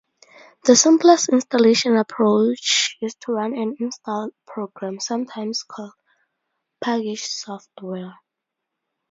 The simplest installation approach is to run an install program, sometimes called "package software".